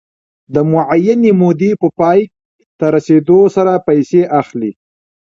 د معینې مودې په پای ته رسېدو سره پیسې اخلي